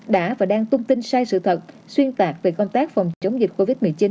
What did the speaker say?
đã và đang tung tin sai sự thật xuyên tạc về công tác phòng chống dịch covid một mươi chín